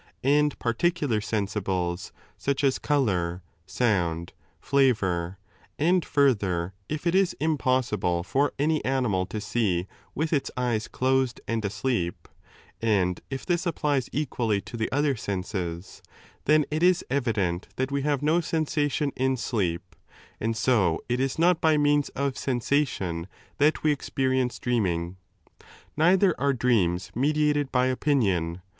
and particular sensibles, such as colour, sound, flavour, and, further, if it is impossible for any animal to see with its eyes closed and asleep, and if this applies equally to the other senses, then it is evident that we have no 3 sensation in sleep, and so it is not by means of sensa tiou that we experience dreaming. Neither are dreams mediated by opinion.